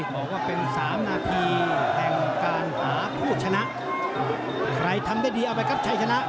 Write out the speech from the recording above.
ผมมองว่าเป็น๓นาทีแทนการหาผู้ชนะใครทำได้ดีอ่ะไว้ครับชายชนะ